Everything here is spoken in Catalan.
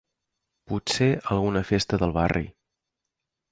Potser alguna festa del barri.